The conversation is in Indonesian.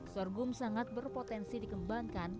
sorghum sangat berpotensi dikembangkan